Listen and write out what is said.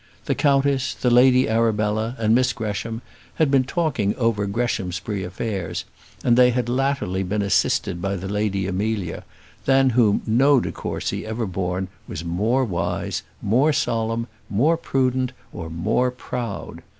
The countess, the Lady Arabella, and Miss Gresham had been talking over Greshamsbury affairs, and they had latterly been assisted by the Lady Amelia, than whom no de Courcy ever born was more wise, more solemn, more prudent, or more proud.